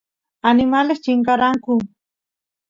animales chinkaranku